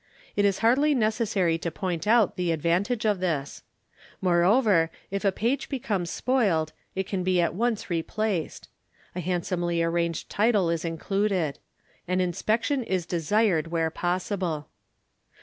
It is hardly necessary to point out the advantage of this; moreover, if a page becomes spoilt, it can be at once replaced. A handsomely arranged title is included. An inspection is desired where possible.